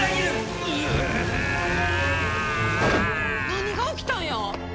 何が起きたんや？